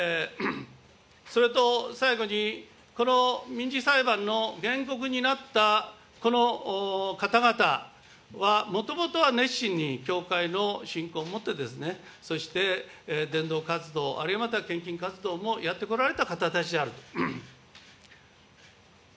それと最後に、この民事裁判の原告になった、この方々は、もともとは熱心に教会の信仰をもってですね、そして伝道活動、あるいはまた献金活動もやってこられた方たちである。